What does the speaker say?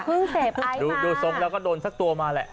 เพิ่งเสพไอ้มาดูดูทรงแล้วก็โดนซักตัวมาแหละ